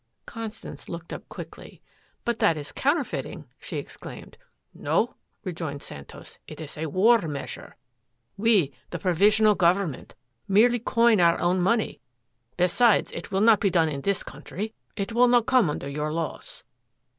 Constance looked up quickly. "But that is counterfeiting," she exclaimed. "No," rejoined Santos, "it is a war measure. We the provisional government merely coin our own money. Besides, it will not be done in this country. It will not come under your laws."